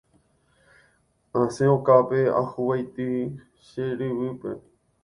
Asẽ okápe ahuvaitĩ che ryvýpe.